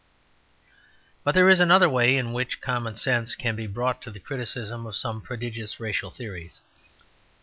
But there is another way in which common sense can be brought to the criticism of some prodigious racial theories.